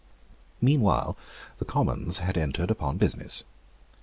Meanwhile the Commons had entered upon business.